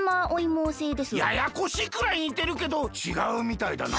ややこしいくらいにてるけどちがうみたいだな。